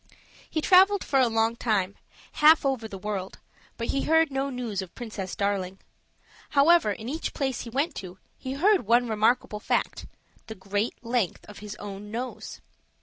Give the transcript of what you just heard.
He traveled for a long time, half over the world, but he heard no news of Princess Darling. However, in each place he went to, he heard one remarkable fact the great length of his own nose.